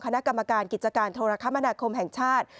คณะกรรมการกิจการโทรคมนาคมแห่งชาติ